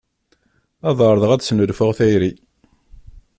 Ad εerḍeɣ ad d-snulfuɣ tayri